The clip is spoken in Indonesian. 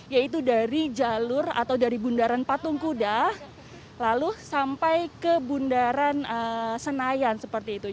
yaitu dari jalur atau dari bundaran patung kuda lalu sampai ke bundaran senayan seperti itu